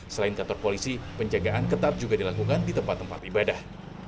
selain kantor polisi penjagaan ketat juga dilakukan di tempat tempat ibadah